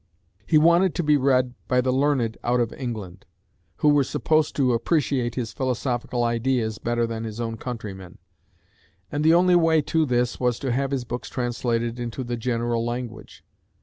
He wanted to be read by the learned out of England, who were supposed to appreciate his philosophical ideas better than his own countrymen, and the only way to this was to have his books translated into the "general language."